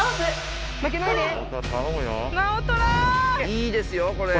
いいですよこれ。